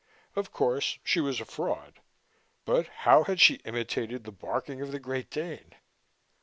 Of course, she was a fraud, but how had she imitated the barking of the Great Dane?